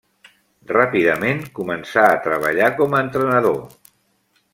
Ràpidament comença a treballar com a entrenador.